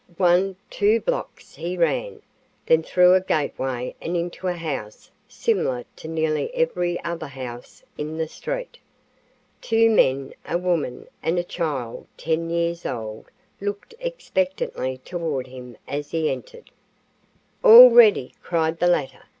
One, two blocks he ran, then through a gateway and into a house similar to nearly every other house in the street. Two men, a woman, and a child 10 years old looked expectantly toward him as he entered. "All ready!" cried the latter.